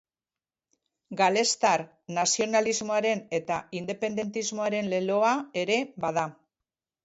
Galestar nazionalismoaren eta independentismoaren leloa ere bada.